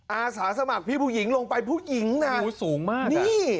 อาสาสมัครพี่ผู้หญิงลงไปผู้หญิงหน้านิโอ้โหสูงมาก